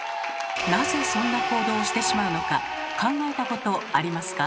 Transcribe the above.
なぜそんな行動をしてしまうのか考えたことありますか？